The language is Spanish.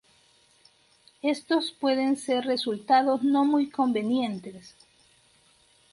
Estos pueden ser resultados no muy convenientes.